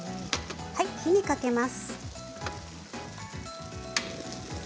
火にかけます。